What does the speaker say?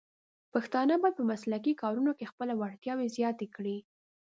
پښتانه بايد په مسلکي کارونو کې خپلې وړتیاوې زیاتې کړي.